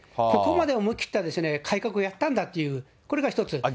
ここまで思い切った改革をやったんだっていう、これが一つ。